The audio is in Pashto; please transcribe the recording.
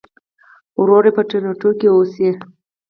ورور یې په ټورنټو کې اوسي.